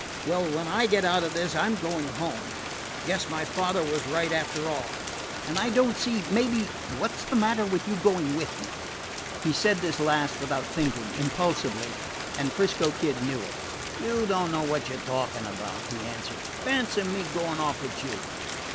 "Well, when I get out of this I 'm going home. Guess my father was right, after all. And I don't see, maybe what 's the matter with you going with me?" He said this last without thinking, impulsively, and 'Frisco Kid knew it. "You don't know what you 're talking about," he answered. "Fancy me going off with you!